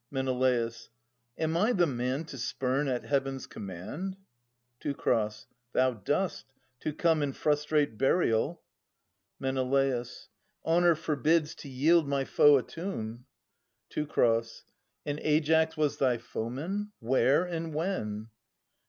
Men. Am I the man to spurn at Heaven's command ? Teu. Thou dost, to come and frustrate burial. Men. Honour forbids to yield my foe a tomb. Teu. And Aias was thy foeman ? Where and when